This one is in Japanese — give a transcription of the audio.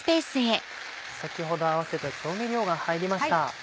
先ほど合わせた調味料が入りました。